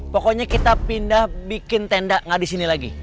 pokoknya kita pindah bikin tenda gak disini lagi